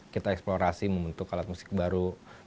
kita eksplorasi membentuk alat musik baru